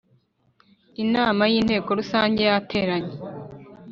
inama y inteko rusange yateranye